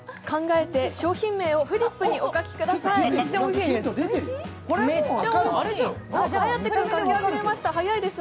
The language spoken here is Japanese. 考えて商品名をフリップにお書きください。